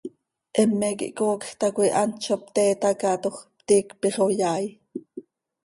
Heme quih coocj tacoi hant zo pte itacaatoj, pti iicp ixoyai.